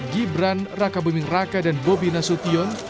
gibran raka buming raka dan bobi nasution